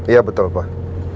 iya betul pak